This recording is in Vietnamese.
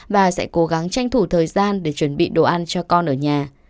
và sẽ cố gắng tranh thủ thời gian để chuẩn bị đồ ăn cho con ở nhà